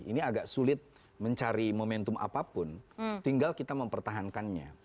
ini agak sulit mencari momentum apapun tinggal kita mempertahankannya